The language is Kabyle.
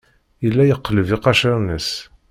Yella yeqleb iqaciren-is.